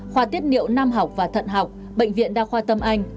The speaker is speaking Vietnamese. khoa tiết niệu nam học và thận học bệnh viện đa khoa tâm anh